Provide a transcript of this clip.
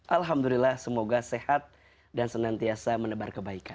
alhamdulillah semoga sehat dan senantiasa menebar kebaikan